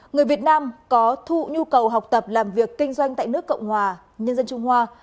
người việt nam có nhu cầu học tập làm việc kinh doanh tại nước cộng hòa nhân dân trung hoa